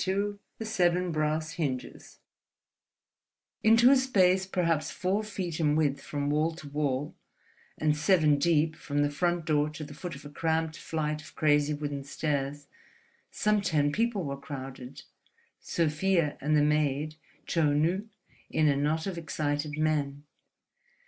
XXII THE SEVEN BRASS HINGES Into a space perhaps four feet in width from wall to wall and seven deep from the front door to the foot of a cramped flight of crazy wooden stairs, some ten people were crowded, Sofia and the maid Chou Nu in a knot of excited men.